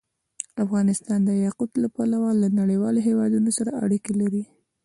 افغانستان د یاقوت له پلوه له نورو هېوادونو سره اړیکې لري.